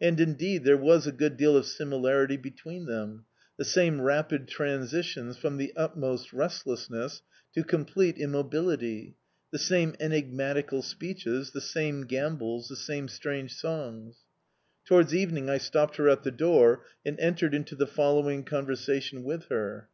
And, indeed, there was a good deal of similarity between them; the same rapid transitions from the utmost restlessness to complete immobility, the same enigmatical speeches, the same gambols, the same strange songs. Towards evening I stopped her at the door and entered into the following conversation with her.